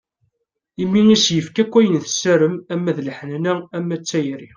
Imi i s-yefka akk ayen i tessaram ama d leḥnana, ama d tayri.